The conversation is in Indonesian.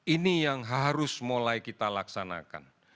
ini yang harus mulai kita laksanakan